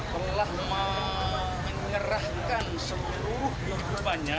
telah menyerahkan sepupannya